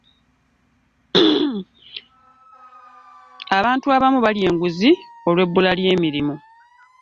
abantu abamu balya enguzi lw'ebula ly'emirimu.